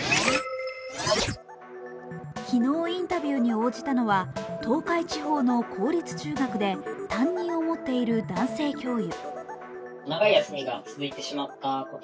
昨日、インタビューに応じたのは、東海地方の公立中学校で担任を持っている男性教諭。